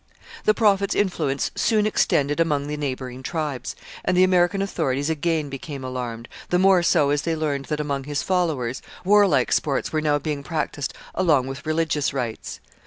The Prophet's influence soon extended Among the neighbouring tribes, and the American authorities again became alarmed, the more so as they learned that among his followers warlike sports were now being practised along with religious rites.